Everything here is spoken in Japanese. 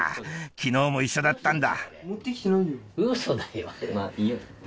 昨日も一緒だったんだ